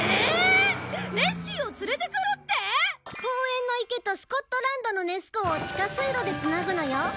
公園の池とスコットランドのネス湖を地下水路でつなぐのよ。